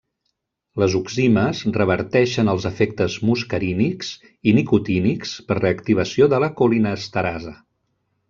Les oximes reverteixen els efectes muscarínics i nicotínics per reactivació de la colinesterasa.